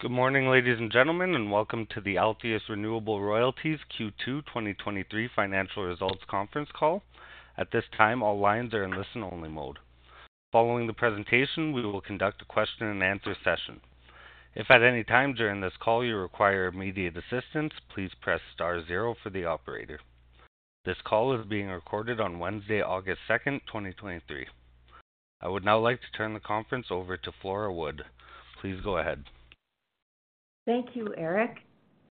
Good morning, ladies and gentlemen, and welcome to the Altius Renewable Royalties Q2 2023 financial results conference call. At this time, all lines are in listen-only mode. Following the presentation, we will conduct a question-and-answer session. If at any time during this call you require immediate assistance, please press star zero for the operator. This call is being recorded on Wednesday, August 2nd, 2023. I would now like to turn the conference over to Flora Wood. Please go ahead. Thank you, Eric.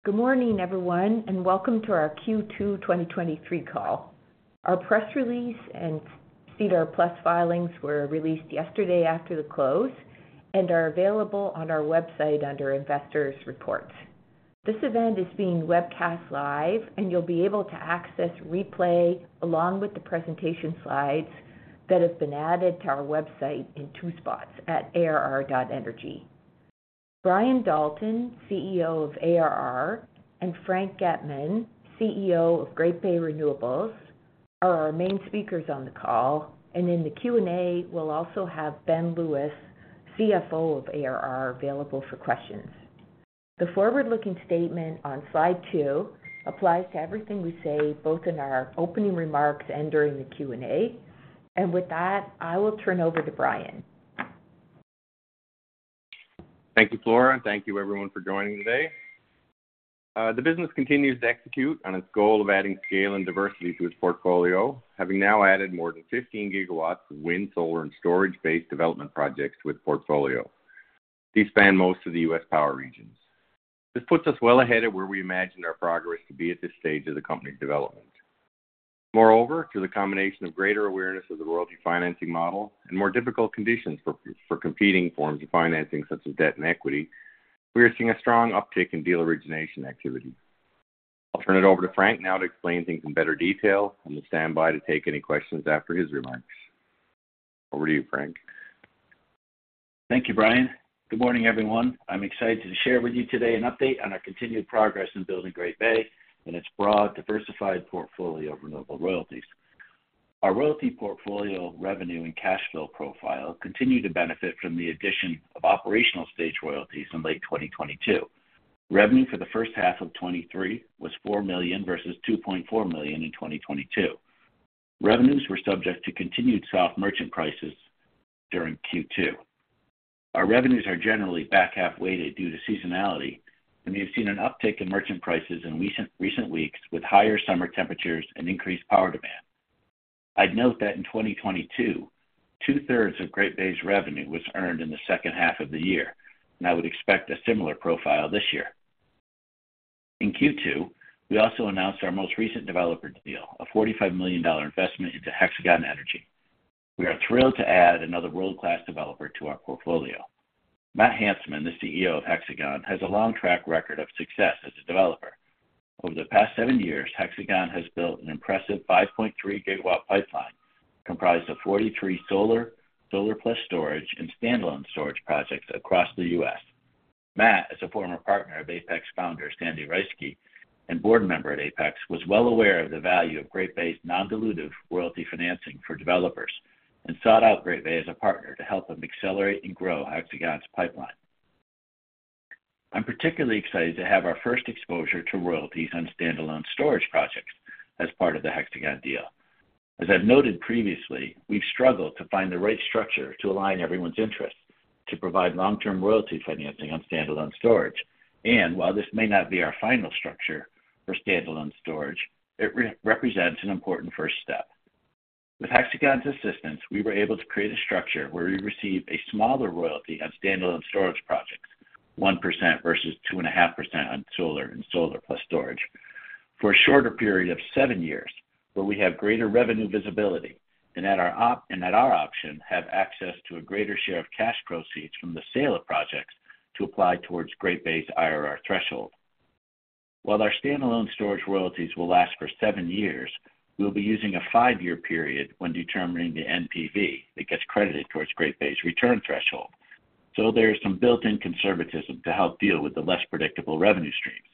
Good morning, everyone, and welcome to our Q2 2023 call. Our press release and SEDAR+ filings were released yesterday after the close and are available on our website under Investors Reports. This event is being webcast live, and you'll be able to access replay along with the presentation slides that have been added to our website in two spots at arr.energy. Brian Dalton, CEO of ARR, and Frank Getman, CEO of Great Bay Renewables, are our main speakers on the call, and in the Q&A, we'll also have Ben Lewis, CFO of ARR, available for questions. The forward-looking statement on slide two applies to everything we say, both in our opening remarks and during the Q&A. With that, I will turn over to Brian. Thank you, Flora. Thank you everyone for joining today. The business continues to execute on its goal of adding scale and diversity to its portfolio, having now added more than 15 GW of wind, solar, and storage-based development projects to its portfolio. These span most of the U.S. power regions. This puts us well ahead of where we imagined our progress to be at this stage of the company's development. Moreover, through the combination of greater awareness of the royalty financing model and more difficult conditions for competing forms of financing, such as debt and equity, we are seeing a strong uptick in deal origination activity. I'll turn it over to Frank now to explain things in better detail and will stand by to take any questions after his remarks. Over to you, Frank. Thank you, Brian. Good morning, everyone. I'm excited to share with you today an update on our continued progress in building Great Bay and its broad, diversified portfolio of renewable royalties. Our royalty portfolio, revenue, and cash flow profile continue to benefit from the addition of operational stage royalties in late 2022. Revenue for the first half of 2023 was $4 million versus $2.4 million in 2022. Revenues were subject to continued soft merchant prices during Q2. Our revenues are generally back half weighted due to seasonality, we've seen an uptick in merchant prices in recent, recent weeks with higher summer temperatures and increased power demand. I'd note that in 2022, two-thirds of Great Bay's revenue was earned in the second half of the year, I would expect a similar profile this year. In Q2, we also announced our most recent developer deal, a $45 million investment into Hexagon Energy. We are thrilled to add another world-class developer to our portfolio. Matt Hantzmon, the CEO of Hexagon, has a long track record of success as a developer. Over the past seven years, Hexagon has built an impressive 5.3 GW pipeline, comprised of 43 solar, solar plus storage, and standalone storage projects across the U.S.. Matt, as a former partner of Apex Founder Sandy Reisky and Board Member at Apex, was well aware of the value of Great Bay's non-dilutive royalty financing for developers and sought out Great Bay as a partner to help them accelerate and grow Hexagon's pipeline. I'm particularly excited to have our first exposure to royalties on standalone storage projects as part of the Hexagon deal. As I've noted previously, we've struggled to find the right structure to align everyone's interests, to provide long-term royalty financing on standalone storage, while this may not be our final structure for standalone storage, it represents an important first step. With Hexagon's assistance, we were able to create a structure where we receive a smaller royalty on standalone storage projects, 1% versus 2.5% on solar and solar plus storage, for a shorter period of 7 years, where we have greater revenue visibility and at our option, have access to a greater share of cash proceeds from the sale of projects to apply towards Great Bay's IRR threshold. While our standalone storage royalties will last for 7 years, we'll be using a 5-year period when determining the NPV that gets credited towards Great Bay's return threshold. There is some built-in conservatism to help deal with the less predictable revenue streams.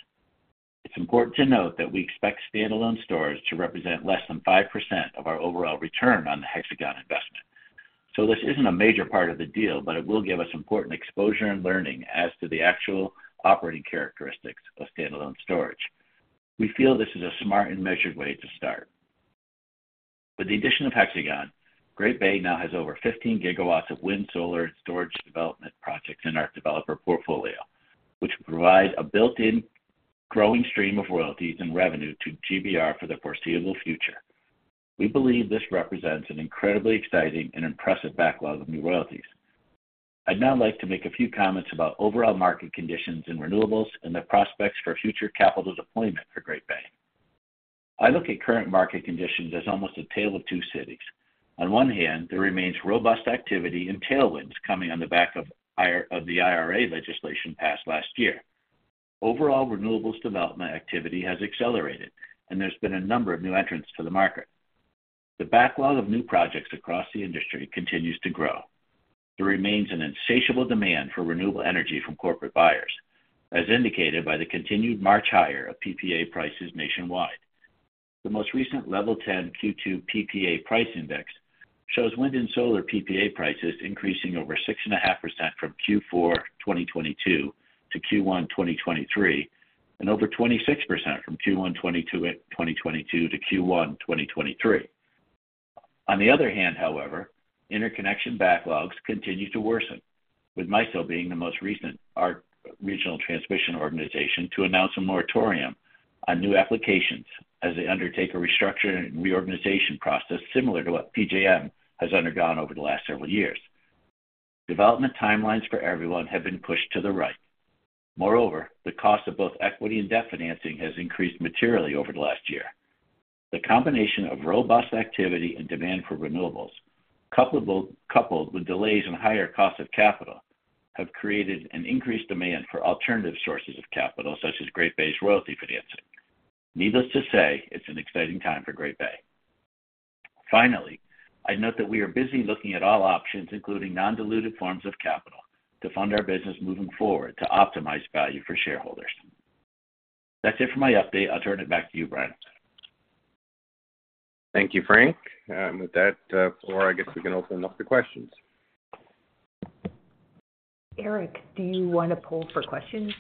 It's important to note that we expect standalone storage to represent less than 5% of our overall return on the Hexagon investment. This isn't a major part of the deal, but it will give us important exposure and learning as to the actual operating characteristics of standalone storage. We feel this is a smart and measured way to start. With the addition of Hexagon, Great Bay now has over 15 GW of wind, solar, and storage development projects in our developer portfolio, which provide a built-in growing stream of royalties and revenue to GBR for the foreseeable future. We believe this represents an incredibly exciting and impressive backlog of new royalties. I'd now like to make a few comments about overall market conditions in renewables and the prospects for future capital deployment for Great Bay. I look at current market conditions as almost a tale of two cities. On one hand, there remains robust activity and tailwinds coming on the back of the IRA legislation passed last year. Overall, renewables development activity has accelerated, and there's been a number of new entrants to the market. The backlog of new projects across the industry continues to grow. There remains an insatiable demand for renewable energy from corporate buyers, as indicated by the continued march higher of PPA prices nationwide. The most recent LevelTen Q2 PPA price index shows wind and solar PPA prices increasing over 6.5% from Q4 2022 to Q1 2023, and over 26% from Q1 2022 to Q1 2023. On the other hand, however, interconnection backlogs continue to worsen, with MISO being the most recent, our regional transmission organization, to announce a moratorium on new applications as they undertake a restructuring and reorganization process similar to what PJM has undergone over the last several years. Development timelines for everyone have been pushed to the right. Moreover, the cost of both equity and debt financing has increased materially over the last year. The combination of robust activity and demand for renewables, coupled with delays and higher costs of capital, have created an increased demand for alternative sources of capital, such as Great Bay's royalty financing. Needless to say, it's an exciting time for Great Bay. Finally, I'd note that we are busy looking at all options, including non-dilutive forms of capital, to fund our business moving forward to optimize value for shareholders. That's it for my update. I'll turn it back to you, Brian. Thank you, Frank. With that, floor, I guess we can open up the questions. Eric, do you want to poll for questions?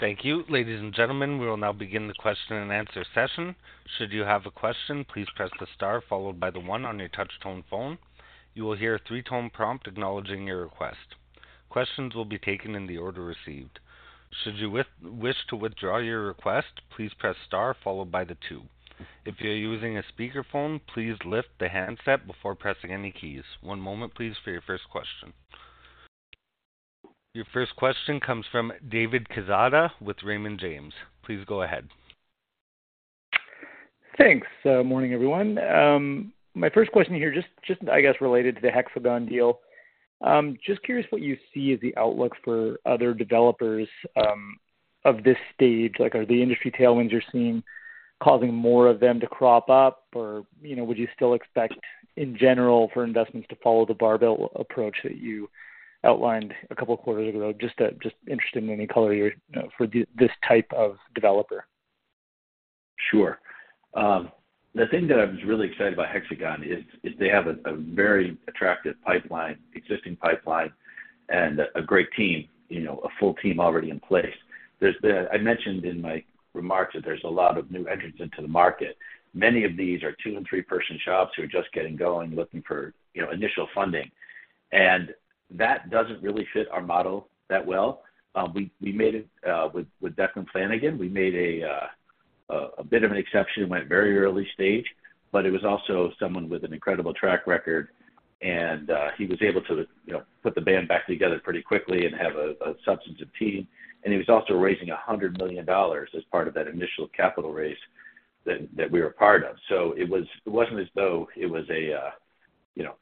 Thank you. Ladies and gentlemen, we will now begin the question and answer session. Should you have a question, please press the star followed by the one on your touch-tone phone. You will hear a three-tone prompt acknowledging your request. Questions will be taken in the order received. Should you wish to withdraw your request, please press star followed by the two. If you're using a speakerphone, please lift the handset before pressing any keys. One moment, please, for your first question. Your first question comes from David Quezada with Raymond James. Please go ahead. Thanks. Morning, everyone. My first question here, just, just I guess, related to the Hexagon deal. Just curious what you see as the outlook for other developers, of this stage. Like, are the industry tailwinds you're seeing causing more of them to crop up? You know, would you still expect, in general, for investments to follow the barbell approach that you outlined a couple of quarters ago? Just interested in any color year, for this type of developer. Sure. The thing that I was really excited about Hexagon is, is they have a, a very attractive pipeline, existing pipeline and a great team, you know, a full team already in place. I mentioned in my remarks that there's a lot of new entrants into the market. Many of these are two- and three-person shops who are just getting going, looking for, you know, initial funding, and that doesn't really fit our model that well. We, we made it with Declan Flanagan, we made a bit of an exception, went very early stage, but it was also someone with an incredible track record, and he was able to, you know, put the band back together pretty quickly and have a substantive team. He was also raising $100 million as part of that initial capital raise that, that we were a part of. It wasn't as though it was a, you know,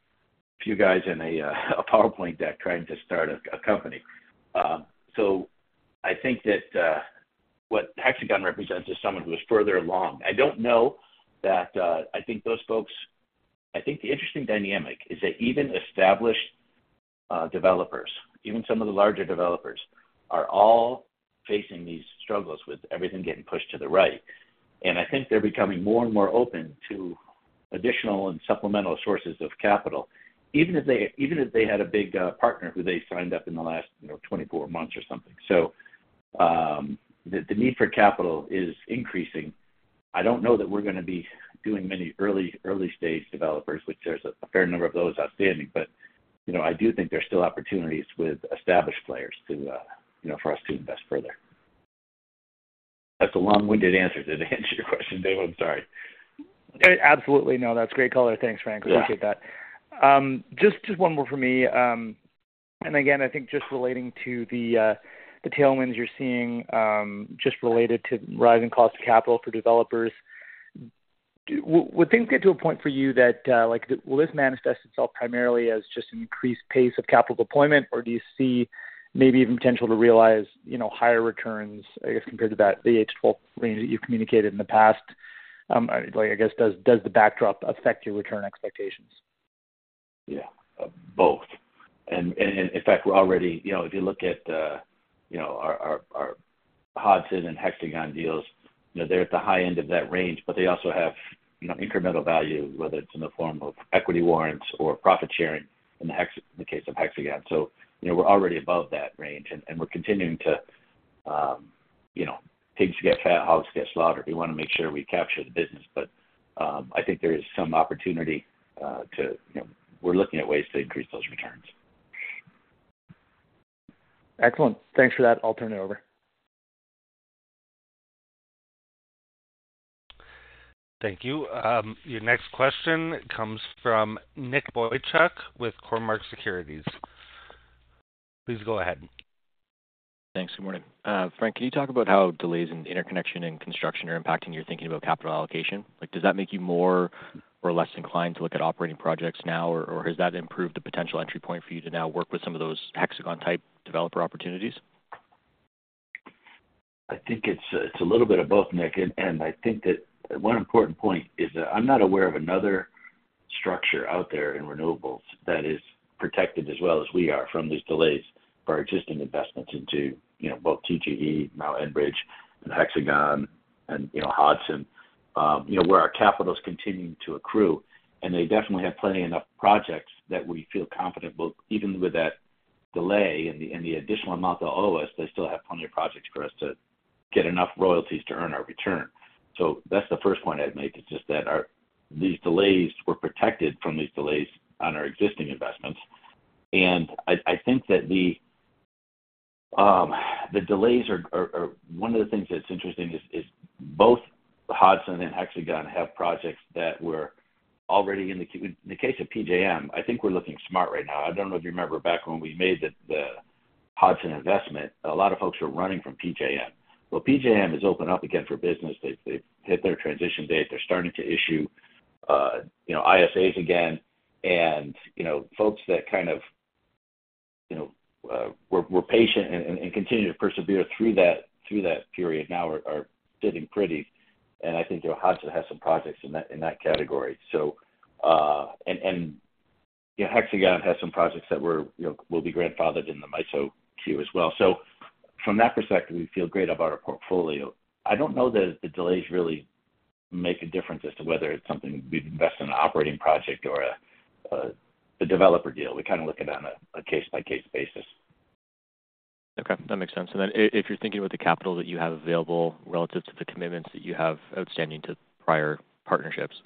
a few guys in a PowerPoint deck trying to start a company. I think that what Hexagon represents is someone who is further along. I don't know that I think the interesting dynamic is that even established developers, even some of the larger developers, are all facing these struggles with everything getting pushed to the right. I think they're becoming more and more open to additional and supplemental sources of capital, even if they, even if they had a big partner who they signed up in the last, you know, 24 months or something. The, the need for capital is increasing. I don't know that we're going to be doing many early, early-stage developers, which there's a fair number of those outstanding, but, you know, I do think there's still opportunities with established players to, you know, for us to invest further. That's a long-winded answer to the answer your question, David. I'm sorry. Absolutely. No, that's great color. Thanks, Frank. Yeah. Appreciate that. Just, just one more for me. Again, I think just relating to the tailwinds you're seeing, just related to rising cost of capital for developers. Would things get to a point for you that, like, will this manifest itself primarily as just an increased pace of capital deployment? Or do you see maybe even potential to realize, you know, higher returns, I guess, compared to that the 8-12 range that you've communicated in the past? Like, I guess, does, does the backdrop affect your return expectations? Yeah, both. In fact, we're already. You know, if you look at our Hodson and Hexagon deals, you know, they're at the high end of that range, but they also have, you know, incremental value, whether it's in the form of equity warrants or profit sharing in the case of Hexagon. You know, we're already above that range, and we're continuing to, you know, pigs get fat, hogs get slaughtered. We want to make sure we capture the business, but, I think there is some opportunity, to, you know, we're looking at ways to increase those returns. Excellent. Thanks for that. I'll turn it over. Thank you. Your next question comes from Nicholas Boychuk with Cormark Securities. Please go ahead. Thanks. Good morning. Frank, can you talk about how delays in interconnection and construction are impacting your thinking about capital allocation? Like, does that make you more or less inclined to look at operating projects now, or, or has that improved the potential entry point for you to now work with some of those Hexagon-type developer opportunities? I think it's a, it's a little bit of both, Nick, and I think that one important point is that I'm not aware of another structure out there in renewables that is protected as well as we are from these delays for our existing investments into, you know, both TGE, now Enbridge, and Hexagon, and, you know, Hodson. You know, where our capital is continuing to accrue, and they definitely have plenty enough projects that we feel confident, well, even with that delay and the, and the additional amount they owe us, they still have plenty of projects for us to get enough royalties to earn our return. That's the first point I'd make, is just that these delays, we're protected from these delays on our existing investments. I, I think that the delays are, are, are one of the things that's interesting is, is both Hodson and Hexagon have projects that were already in the. In the case of PJM, I think we're looking smart right now. I don't know if you remember back when we made the, the Hodson investment, a lot of folks were running from PJM. PJM has opened up again for business. They've, they've hit their transition date. They're starting to issue, you know, ISAs again, and, you know, folks that kind of, you know, were, were patient and, and continued to persevere through that, through that period now are, are sitting pretty. I think Hodson has some projects in that, in that category. Yeah, Hexagon has some projects that were, you know, will be grandfathered in the MISO queue as well. From that perspective, we feel great about our portfolio. I don't know that the delays really make a difference as to whether it's something we'd invest in an operating project or a, a, a developer deal. We kind of look at it on a, a case-by-case basis. Okay, that makes sense. If you're thinking about the capital that you have available relative to the commitments that you have outstanding to prior partnerships,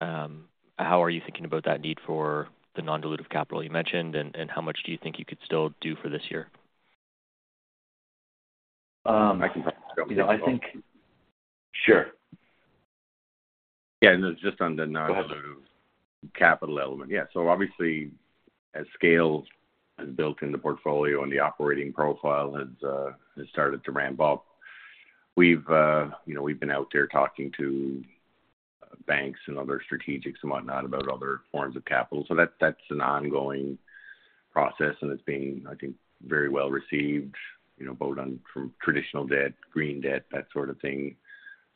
how are you thinking about that need for the non-dilutive capital you mentioned, and how much do you think you could still do for this year? Um, I think- Sure. Yeah, just on the non- Go ahead. dilutive capital element. Obviously, as scale is built in the portfolio and the operating profile has started to ramp up, we've, you know, we've been out there talking to banks and other strategics and whatnot about other forms of capital. That's, that's an ongoing process, and it's being, I think, very well received, you know, both on traditional debt, green debt, that sort of thing.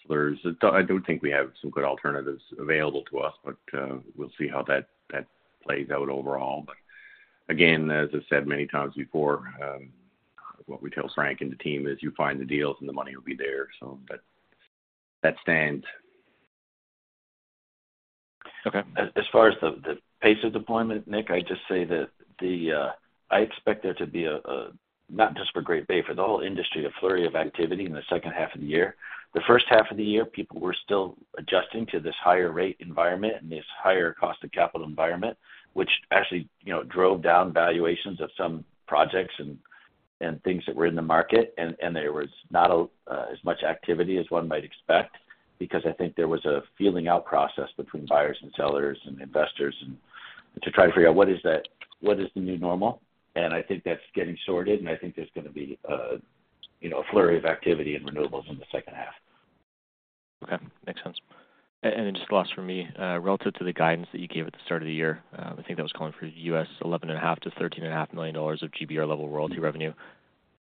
There's, I do think we have some good alternatives available to us, but we'll see how that, that plays out overall. Again, as I said many times before, what we tell Frank and the team is, you find the deals and the money will be there. That, that stands. Okay. As far as the pace of deployment, Nick, I'd just say that I expect there to be not just for Great Bay, for the whole industry, a flurry of activity in the second half of the year. The first half of the year, people were still adjusting to this higher rate environment and this higher cost of capital environment, which actually, you know, drove down valuations of some projects and things that were in the market. There was not as much activity as one might expect, because I think there was a feeling-out process between buyers and sellers and investors and to try to figure out what is the new normal. I think that's getting sorted, and I think there's going to be a, you know, a flurry of activity in renewables in the second half. Okay, makes sense. Just last for me, relative to the guidance that you gave at the start of the year, I think that was calling for $11.5 million-$13.5 million of GBR level royalty revenue.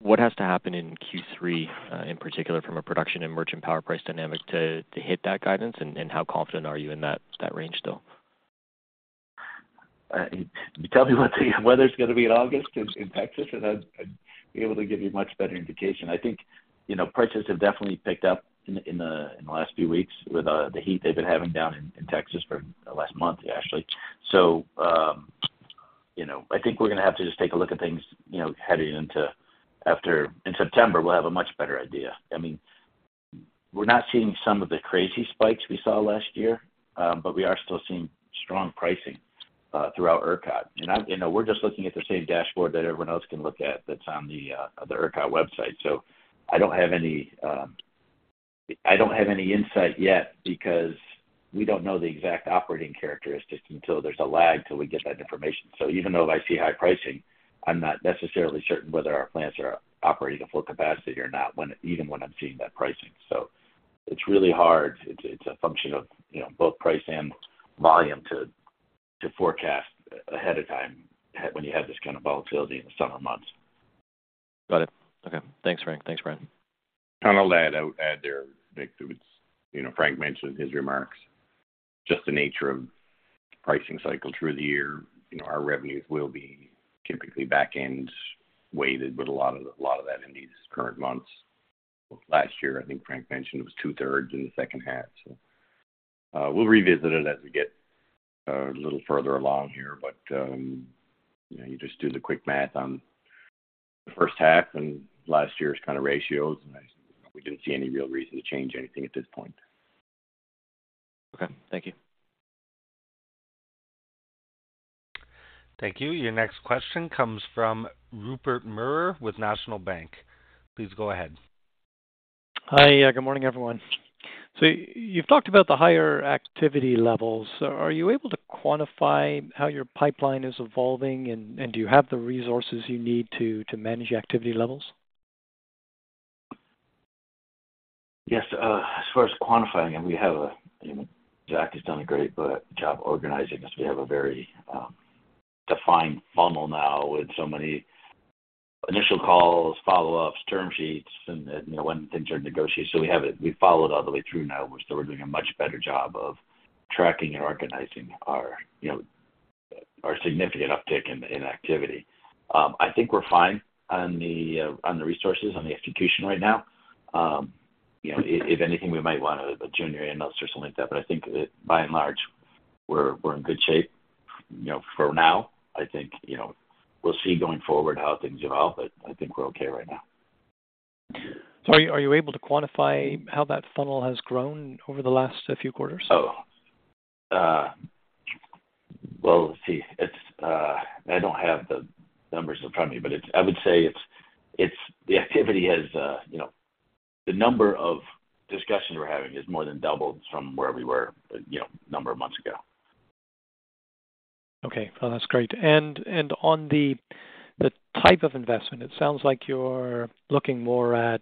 What has to happen in Q3, in particular from a production and merchant power price dynamic, to hit that guidance, and how confident are you in that range still? You tell me what the weather's going to be in August in, in Texas, and I'd, I'd be able to give you a much better indication. I think, you know, purchases have definitely picked up in, in the, in the last few weeks with, the heat they've been having down in, in Texas for the last month, actually. You know, I think we're going to have to just take a look at things, you know, heading into September, we'll have a much better idea. I mean, we're not seeing some of the crazy spikes we saw last year, but we are still seeing strong pricing, throughout ERCOT. You know, we're just looking at the same dashboard that everyone else can look at, that's on the, the ERCOT website. I don't have any insight yet because we don't know the exact operating characteristics until there's a lag till we get that information. Even though I see high pricing, I'm not necessarily certain whether our plants are operating at full capacity or not, when, even when I'm seeing that pricing. It's really hard. It's, it's a function of, you know, both price and volume to forecast ahead of time, when you have this kind of volatility in the summer months. Got it. Okay. Thanks, Frank. Thanks, Brian. I'll add, I'll add there, Nick, that it's. You know, Frank mentioned in his remarks, just the nature of pricing cycles through the year. You know, our revenues will be typically back-end weighted, with a lot of, a lot of that in these current months. Last year, I think Frank mentioned, it was 2/3 in the second half. We'll revisit it as we get a little further along here, but, you know, you just do the quick math on the first half and last year's kind of ratios, we didn't see any real reason to change anything at this point. Okay. Thank you. Thank you. Your next question comes from Rupert Merer with National Bank. Please go ahead. Hi. Yeah, good morning, everyone. You've talked about the higher activity levels. Are you able to quantify how your pipeline is evolving, and, and do you have the resources you need to, to manage activity levels? Yes, as far as quantifying, we have a, you know, Zach has done a great job organizing this. We have a very defined funnel now with initial calls, follow-ups, term sheets, and, and, you know, when things are negotiated. We have it, we follow it all the way through now, so we're doing a much better job of tracking and organizing our, you know, our significant uptick in activity. I think we're fine on the resources, on the execution right now. You know, if anything, we might want a junior analyst or something like that, but I think that by and large, we're in good shape. You know, for now, I think, you know, we'll see going forward how things evolve, but I think we're okay right now. Are you able to quantify how that funnel has grown over the last few quarters? Oh, well, let's see. It's, I don't have the numbers in front of me, but I would say it's the activity has, you know, the number of discussions we're having has more than doubled from where we were, you know, a number of months ago. Okay. Well, that's great. On the type of investment, it sounds like you're looking more at,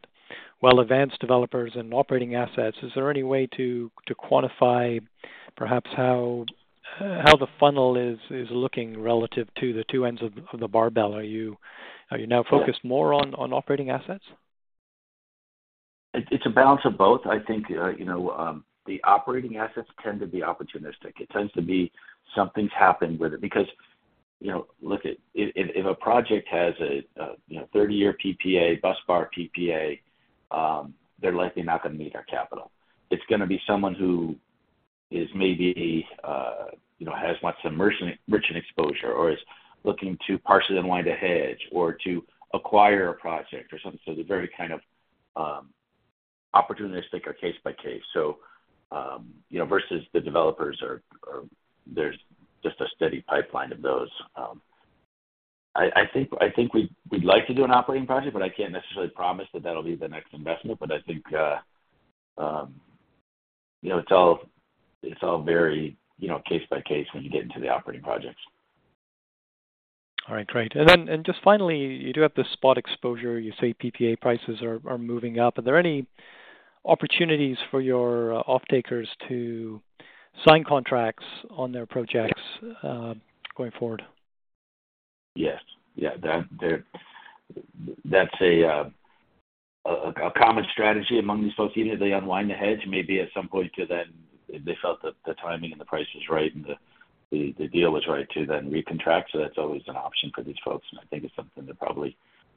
well, advanced developers and operating assets. Is there any way to quantify perhaps how the funnel is looking relative to the two ends of the barbell? Are you now focused more on operating assets? It's a balance of both. I think, you know, the operating assets tend to be opportunistic. It tends to be something's happened with it. You know, look, if a project has a, you know, 30-year PPA, busbar PPA, they're likely not going to need our capital. It's going to be someone who is maybe, you know, has much immersion, rich in exposure or is looking to partially unwind a hedge or to acquire a project or something. They're very kind of opportunistic or case by case. You know, versus the developers, there's just a steady pipeline of those. I think, I think we'd like to do an operating project, but I can't necessarily promise that that'll be the next investment. I think, you know, it's all, it's all very, you know, case by case when you get into the operating projects. All right, great. Just finally, you do have the spot exposure. You say PPA prices are moving up. Are there any opportunities for your off-takers to sign contracts on their projects going forward? Yes. Yeah, that, there, that's a common strategy among these folks. Either they unwind the hedge, maybe at some point to then they felt that the timing and the price was right, and the deal was right to then recontract. That's always an option for these folks, and I think it's something they're probably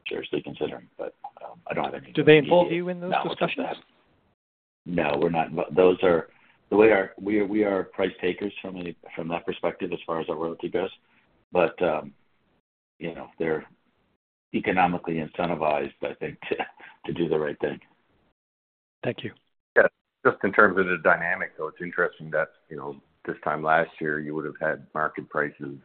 seriously considering, I don't have any- Do they involve you in those discussions? No, we're not. Those are the way we are, we are price takers from any, from that perspective, as far as our royalty goes. You know, they're economically incentivized, I think, to do the right thing. Thank you. Yeah. Just in terms of the dynamic, though, it's interesting that, you know, this time last year, you would have had market prices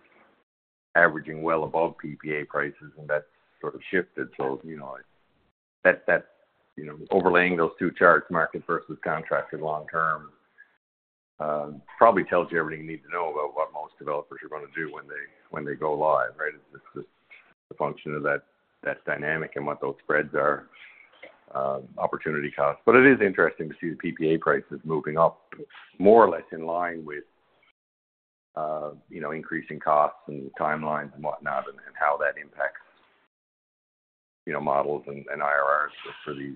averaging well above PPA prices, and that sort of shifted. That, you know, that, that, you know, overlaying those two charts, market versus contracted long term, probably tells you everything you need to know about what most developers are going to do when they, when they go live, right? It's just a function of that, that dynamic and what those spreads are, opportunity costs. It is interesting to see the PPA prices moving up more or less in line with, you know, increasing costs and timelines and whatnot, and, and how that impacts, you know, models and, and IRRs for, for these,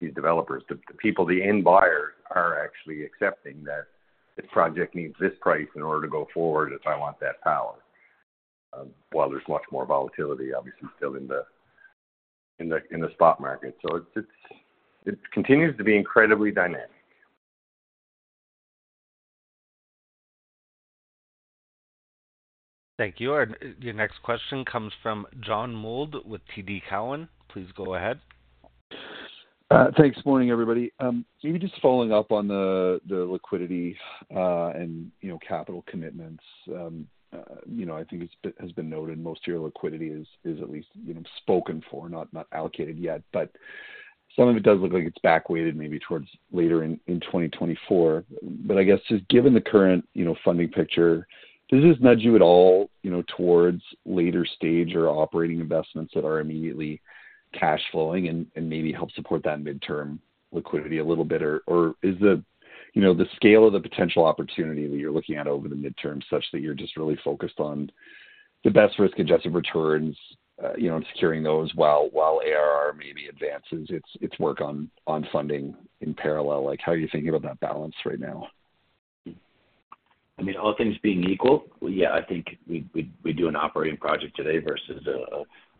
these developers. The, the people, the end buyers are actually accepting that this project needs this price in order to go forward if I want that power. While there's much more volatility, obviously, still in the, in the, in the spot market. It's, it's, it continues to be incredibly dynamic. Thank you. Your next question comes from John Mould with TD Cowen. Please go ahead. Thanks. Morning, everybody. Maybe just following up on the, the liquidity and, you know, capital commitments. You know, I think it's been, has been noted, most of your liquidity is, is at least, you know, spoken for, not, not allocated yet. Some of it does look like it's backweighted maybe towards later in 2024. I guess just given the current, you know, funding picture, does this nudge you at all, you know, towards later stage or operating investments that are immediately cash flowing and, and maybe help support that midterm liquidity a little bit? Is the, you know, the scale of the potential opportunity that you're looking at over the midterm such that you're just really focused on the best risk-adjusted returns, you know, and securing those while, while ARR maybe advances its, its work on, on funding in parallel? Like, how are you thinking about that balance right now? I mean, all things being equal, yeah, I think we'd, we'd do an operating project today versus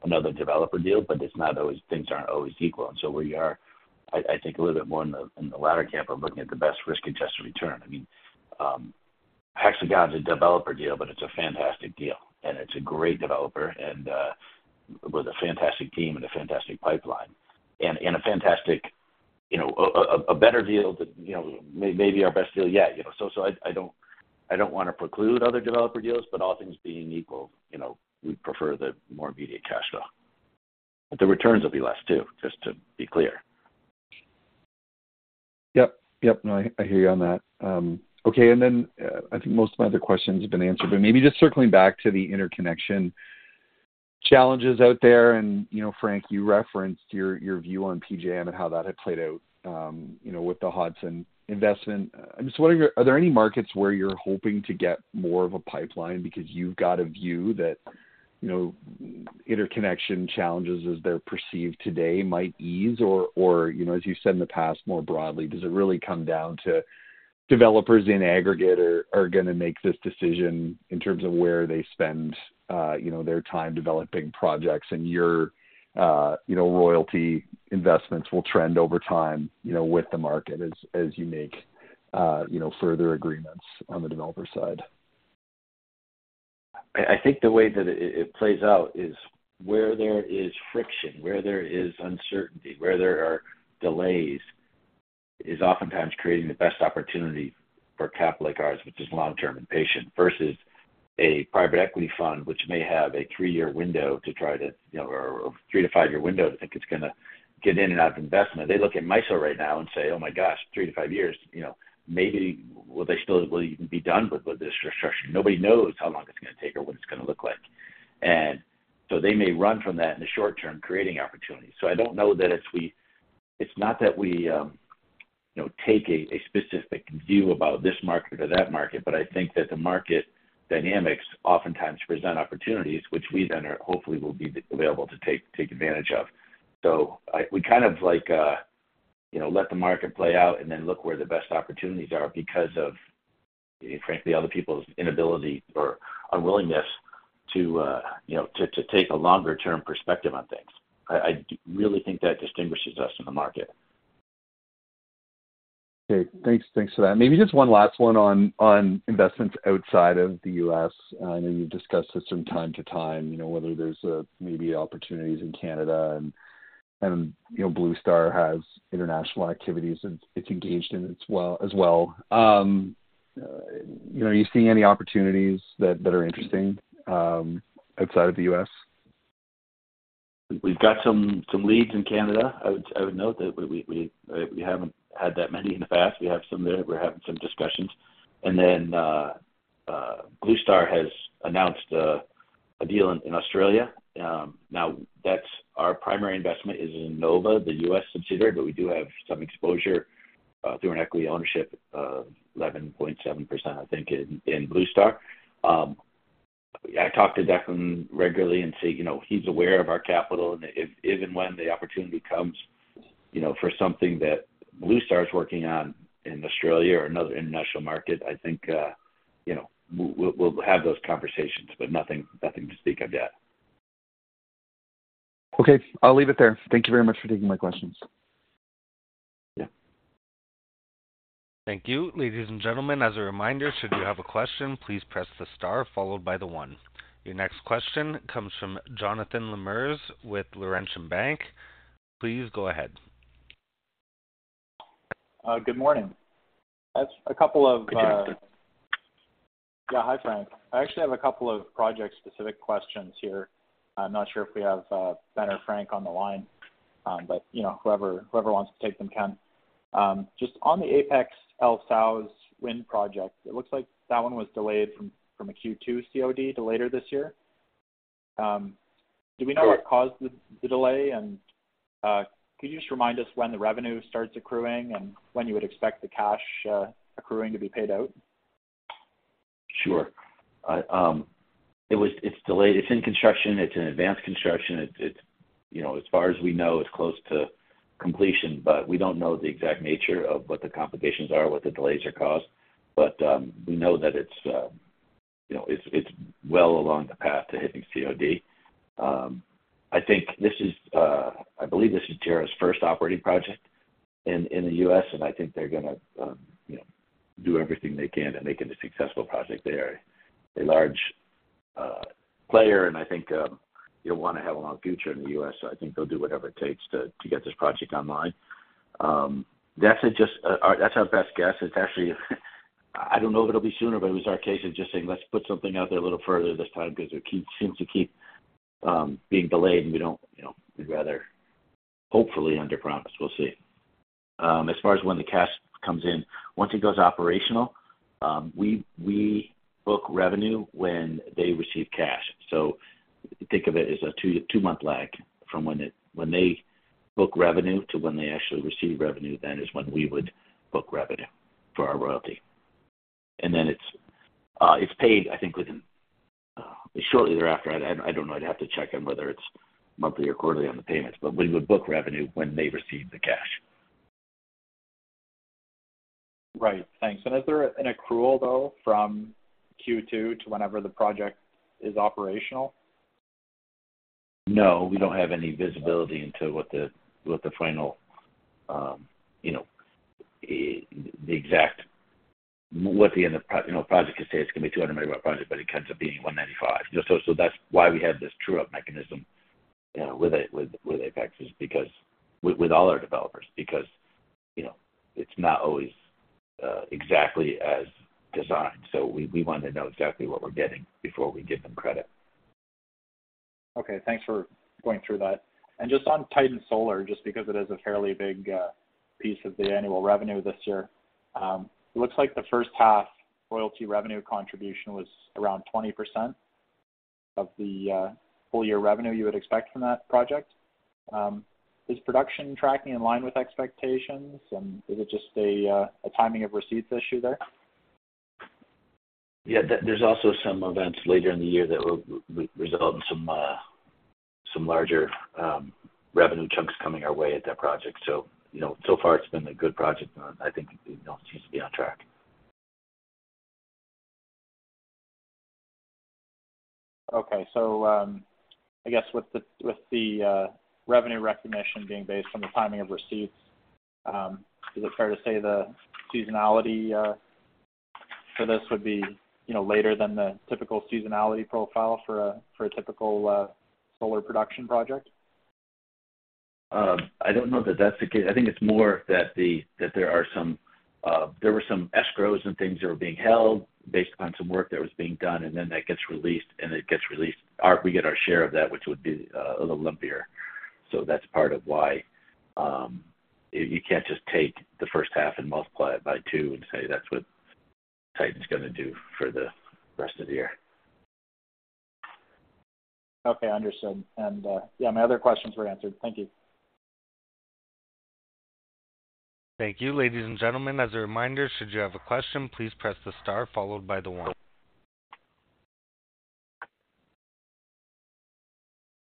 another developer deal, but it's not always things aren't always equal. We are, I think, a little bit more in the, in the latter camp of looking at the best risk-adjusted return. I mean, Hexagon is a developer deal, but it's a fantastic deal, and it's a great developer with a fantastic team and a fantastic pipeline and a fantastic, you know, a better deal than, you know, maybe our best deal yet, you know. I don't, I don't want to preclude other developer deals, but all things being equal, you know, we'd prefer the more immediate cash flow. The returns will be less too, just to be clear. Yep. No, I, I hear you on that. Okay, I think most of my other questions have been answered, but maybe just circling back to the interconnection challenges out there. You know, Frank, you referenced your, your view on PJM and how that had played out, you know, with the Hodson investment. I'm just wondering, are there any markets where you're hoping to get more of a pipeline because you've got a view that, you know, interconnection challenges as they're perceived today, might ease? You know, as you said in the past, more broadly, does it really come down to developers in aggregate are, are gonna make this decision in terms of where they spend, you know, their time developing projects, and your, you know, royalty investments will trend over time, you know, with the market as, as you make, you know, further agreements on the developer side? I think the way that it plays out is where there is friction, where there is uncertainty, where there are delays, is oftentimes creating the best opportunity for capital like ours, which is long-term and patient, versus a private equity fund, which may have a three-year window to try to, you know, or a 3-5 year window to think it's gonna get in and out of investment. They look at MISO right now and say, Oh my gosh, 3-5 years, you know, maybe will they still, will even be done with, with this restructuring? Nobody knows how long it's gonna take or what it's gonna look like. So they may run from that in the short term, creating opportunities. I don't know that it's it's not that we, you know, take a, a specific view about this market or that market, but I think that the market dynamics oftentimes present opportunities which we then are, hopefully, will be available to take, take advantage of. We kind of like, you know, let the market play out and then look where the best opportunities are because of, frankly, other people's inability or unwillingness to, you know, to, to take a longer term perspective on things. I really think that distinguishes us in the market. Okay, thanks. Thanks for that. Maybe just one last one on, on investments outside of the U.S. I know you've discussed this from time to time, you know, whether there's maybe opportunities in Canada and, and, you know, Bluestar has international activities it's, it's engaged in as well, as well. You know, are you seeing any opportunities that, that are interesting, outside of the U.S.? We've got some, some leads in Canada. I would, I would note that we, we, we, we haven't had that many in the past. We have some there. We're having some discussions. Bluestar has announced a deal in Australia. Now, that's our primary investment is in Nova, the U.S. subsidiary, but we do have some exposure through an equity ownership of 11.7%, I think, in Bluestar. I talk to Declan regularly and say, you know, he's aware of our capital, and if, if and when the opportunity comes, you know, for something that Bluestar is working on in Australia or another international market, I think, you know, we'll, we'll have those conversations, but nothing, nothing to speak of yet. Okay, I'll leave it there. Thank you very much for taking my questions. Yeah. Thank you. Ladies and gentlemen, as a reminder, should you have a question, please press the star followed by the one. Your next question comes from Jonathan Lamers with Laurentian Bank. Please go ahead. Good morning. That's a couple of. Good morning. Yeah. Hi, Frank. I actually have a couple of project-specific questions here. I'm not sure if we have Ben or Frank on the line, but, you know, whoever, whoever wants to take them can. Just on the Apex El Sauz wind project, it looks like that one was delayed from a Q2 COD to later this year. Do we know what caused the delay? Could you just remind us when the revenue starts accruing and when you would expect the cash accruing to be paid out? Sure. I, it's delayed. It's in construction. It's in advanced construction. You know, as far as we know, it's close to completion, but we don't know the exact nature of what the complications are, what the delays are caused. We know that it's, you know, it's, it's well along the path to hitting COD. I think this is, I believe this is Terna's first operating project in the U.S., and I think they're gonna, you know, do everything they can to make it a successful project. They are a large player, and I think they'll want to have a long future in the U.S., so I think they'll do whatever it takes to, to get this project online. That's just, that's our best guess. It's actually, I don't know if it'll be sooner, but it was our case of just saying, let's put something out there a little further this time because it seems to keep being delayed, and we don't. You know, we'd rather hopefully under promise. We'll see. As far as when the cash comes in, once it goes operational, we, we book revenue when they receive cash. Think of it as a two, two-month lag from when they book revenue to when they actually receive revenue, then is when we would book revenue for our royalty. Then it's, it's paid, I think, within shortly thereafter. I, I don't know. I'd have to check on whether it's monthly or quarterly on the payments, but we would book revenue when they receive the cash. Right. Thanks. Is there an accrual, though, from Q2 to whenever the project is operational? No, we don't have any visibility into what the, what the final, you know, the exact, what the end of you know, project could say it's going to be 200 MW project, but it ends up being 195. You know, so that's why we have this true-up mechanism, with Apex, with, with all our developers, because it's not always exactly as designed, so we, we want to know exactly what we're getting before we give them credit. Okay, thanks for going through that. Just on Titan Solar, just because it is a fairly big piece of the annual revenue this year. It looks like the first half royalty revenue contribution was around 20% of the full year revenue you would expect from that project. Is production tracking in line with expectations, and is it just a timing of receipts issue there? Yeah. There's also some events later in the year that will result in some larger revenue chunks coming our way at that project. You know, so far it's been a good project, and I think it, you know, seems to be on track. Okay. I guess with the, with the revenue recognition being based on the timing of receipts, is it fair to say the seasonality for this would be, you know, later than the typical seasonality profile for a, for a typical solar production project? I don't know that that's the case. I think it's more that there are some, there were some escrows and things that were being held based on some work that was being done, and then that gets released, and it gets released. We get our share of that, which would be a little lumpier. That's part of why you can't just take the first half and multiply it by two and say, that's what Titan's gonna do for the rest of the year. Okay, understood. Yeah, my other questions were answered. Thank you. Thank you. Ladies and gentlemen, as a reminder, should you have a question, please press the star followed by the one.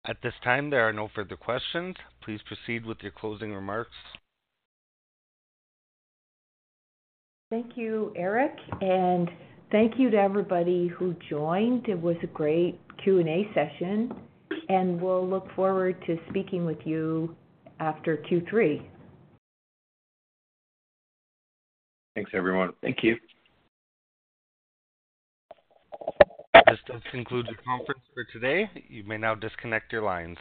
At this time, there are no further questions. Please proceed with your closing remarks. Thank you, Eric, and thank you to everybody who joined. It was a great Q&A session, and we'll look forward to speaking with you after Q3. Thanks, everyone. Thank you. This does conclude the conference for today. You may now disconnect your lines.